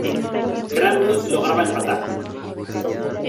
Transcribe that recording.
Krámnik lograba empatar.